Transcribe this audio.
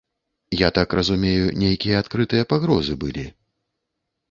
Я так разумею, нейкія адкрытыя пагрозы былі.